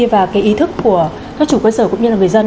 và cái ý thức của các chủ cơ sở cũng như là người dân